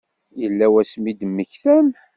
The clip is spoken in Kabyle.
Yella wasmi i d-mmektan?